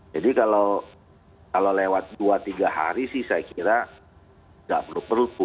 jadi kalau lewat dua tiga hari sih saya kira tidak perlu perpu